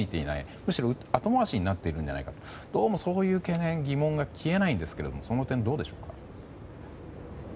むしろ後回しになっているのではないかという疑問が消えないんですがその点、どうでしょうか。